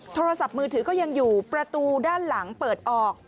โทรศัพท์มือถือก็ยังอยู่ประตูด้านหลังเปิดออก